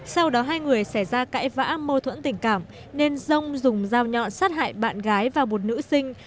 sau đó hai người xảy ra cãi vã mô thuẫn tình cảm nên dông dùng dao nhọn sát hại bạn gái và một nữ sinh